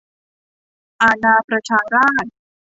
อาณาประชาราษฎร์